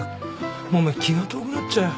もう気が遠くなっちゃうよ。